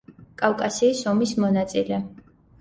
კავკასიის ომის მონაწილე.